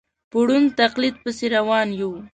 په ړوند تقلید پسې روان یو.